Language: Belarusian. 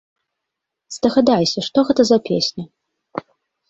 Здагадайся, што гэта за песня.